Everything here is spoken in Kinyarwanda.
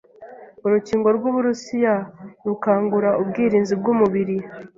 Urukingo rw'Uburusiya rukangura ubwirinzi bw'umubiri